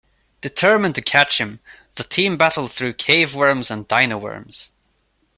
Determined to catch him, the team battle through caveworms and dinoworms.